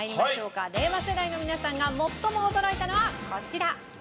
令和世代の皆さんが最も驚いたのはこちら。